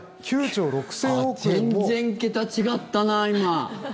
全然、桁違ったな、今。